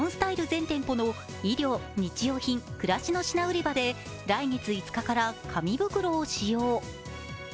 全店舗の衣料、日用品、暮らしの品売り場で来月５日から紙袋を使用。